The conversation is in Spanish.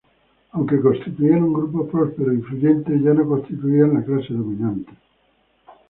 Aunque constituían un grupo próspero e influyente, ya no constituían la clase dominante.